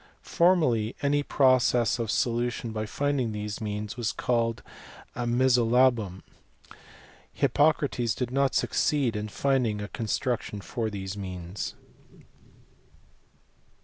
Formerly any process of solution by finding these means was called a mesolabum. Hippocrates did not succeed in finding a construction for these means.